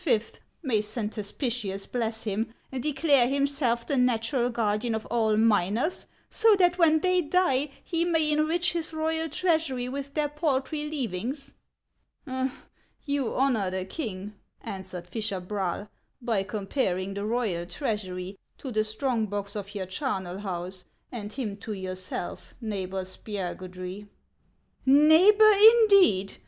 — may Saint Hospitius bless him !— declare himself the natural guardian of all miners, so that when they die lie may enrich his royal treasury with their paltry leavings ?"" You honor the king," answered fisher Braal, " by com paring the royal treasury to the strong box of your charnel house, and him to yourself, Neighbor Spiagudry." " Neighbor, indeed